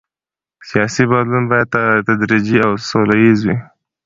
سیاسي بدلون باید تدریجي او سوله ییز وي